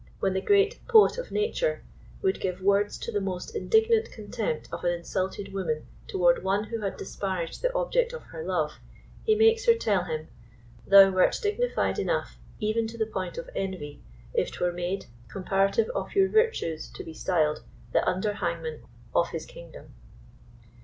When the great "poet of nature" would give words to the most indignant contempt of an insulted woman toward one who had disparaged the object of her love, he makes her tell him, (( Thou wert dignified enough, Even to the point of envy, if 'twere made Comparative of your virtues to be styled The under hangman of his kingdom.